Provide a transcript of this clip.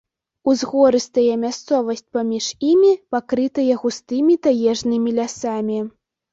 Узгорыстая мясцовасць паміж імі пакрытая густымі таежнымі лясамі.